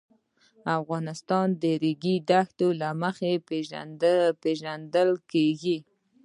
افغانستان د د ریګ دښتې له مخې پېژندل کېږي.